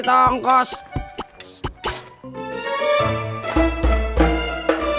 bahkan mungkin pengadilan lemari